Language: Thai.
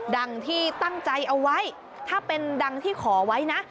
ดังที่ตั้งใจเอาไว้ถ้าเป็นดังที่ขอไว้นะ